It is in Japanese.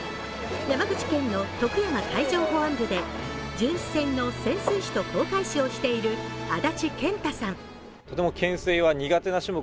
山口県の徳山海上保安部で巡視船の潜水士と航海士をしている安達健太さん。